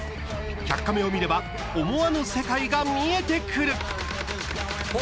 「１００カメ」を見れば思わぬ世界が見えてくる。